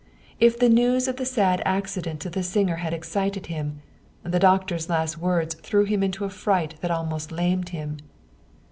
If the news of the sad ac cident to the singer had excited him, the doctor's last words threw him into a fright that almost lamed him.